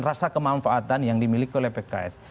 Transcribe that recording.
rasa kemanfaatan yang dimiliki oleh pks